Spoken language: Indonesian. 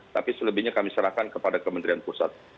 tapi selebihnya kami serahkan kepada kementerian pusat